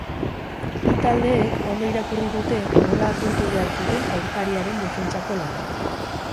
Bi taldeek ondo irakurri dute nola apurtu behar zuten aurkariaren defentsako lana.